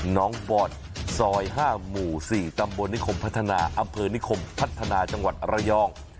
น้องฟอร์ดซอย๕หมู่๔ตำบลนิคมพัฒนาอำเภอนิคมพัฒนาจังหวัดระยอง